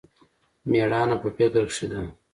مېړانه په فکر کښې ده.